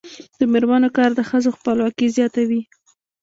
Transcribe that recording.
د میرمنو کار د ښځو خپلواکي زیاتوي.